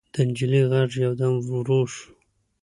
د نجلۍ غږ يودم ورو شو.